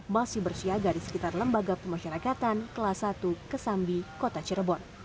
masih bersiaga di sekitar lembaga pemasyarakatan kelas satu kesambi kota cirebon